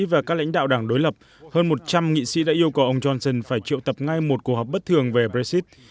và các lãnh đạo đảng đối lập hơn một trăm linh nghị sĩ đã yêu cầu ông johnson phải triệu tập ngay một cuộc họp bất thường về brexit